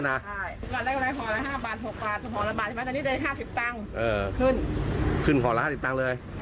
โอ้โหขึ้น๖๐บาทเลย